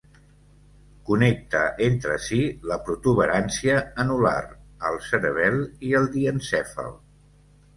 Connecta entre si la protuberància anular, el cerebel i el diencèfal.